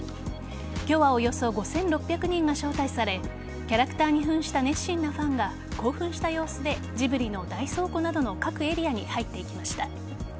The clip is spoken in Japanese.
今日はおよそ５６００人が招待されキャラクターに扮した熱心なファンが興奮した様子でジブリの大倉庫などの各エリアに入っていきました。